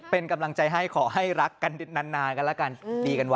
เป็นกำลังใจให้ขอให้รักกันนานกันละกัน